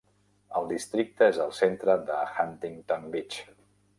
El districte és al centre de Huntington Beach.